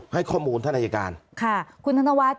ให้ข้อมูลท่านราชการค่ะคุณท่านทวัชธ์